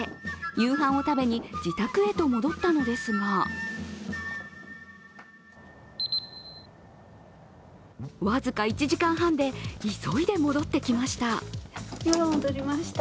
夕飯を食べに自宅へと戻ったのですが僅か１時間半で急いで戻ってきました。